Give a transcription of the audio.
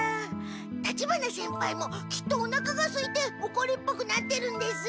立花先輩もきっとおなかがすいておこりっぽくなってるんですよ。